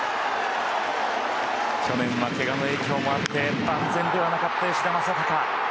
去年はけがの影響もあって万全ではなかった吉田正尚。